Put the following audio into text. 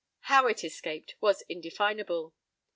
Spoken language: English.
How it escaped was indefinable.